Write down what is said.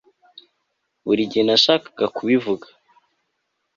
buri gihe nashakaga kubivuga